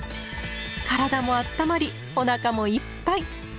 体もあったまりお腹もいっぱい。